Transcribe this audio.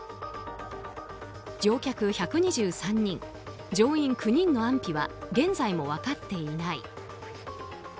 乗客１２３人、乗員９人の安否は現在も分かっていない。